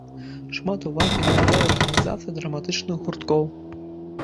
Шмат увагі надаваў арганізацыі драматычных гурткоў.